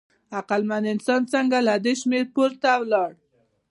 عقلمن انسان څنګه له دې شمېر پورته ولاړ؟